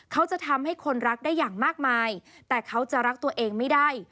เขาจะทำให้คนรักได้อย่างมากมายแต่เขาจะรักตัวเองไม่ได้